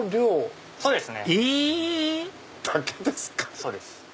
そうです。